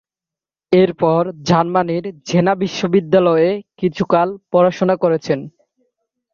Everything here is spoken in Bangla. এরপর জার্মানির জেনা বিশ্ববিদ্যালয়ে কিছুকাল পড়াশোনা করেছেন।